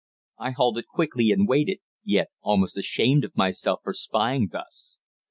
I halted quickly and waited yet almost ashamed of myself for spying thus.